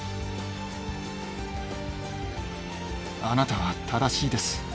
あなたは正しいです。